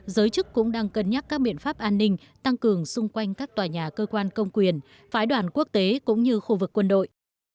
giới chức cũng đang cân nhắc các biện pháp an ninh tăng cường xung quanh các tòa nhà cơ quan công quyền phái đoàn quốc tế cũng như khu vực quân đội